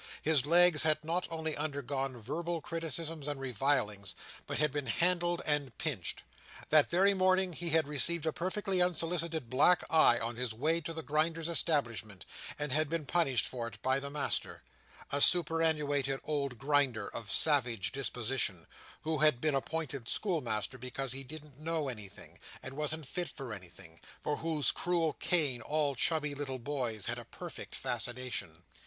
His legs had not only undergone verbal criticisms and revilings, but had been handled and pinched. That very morning, he had received a perfectly unsolicited black eye on his way to the Grinders' establishment, and had been punished for it by the master: a superannuated old Grinder of savage disposition, who had been appointed schoolmaster because he didn't know anything, and wasn't fit for anything, and for whose cruel cane all chubby little boys had a perfect fascination.